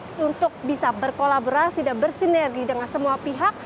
dan juga cakep untuk bisa berkolaborasi dan bersinergi dengan semua pihak